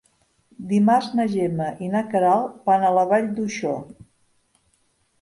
Dimarts na Gemma i na Queralt van a la Vall d'Uixó.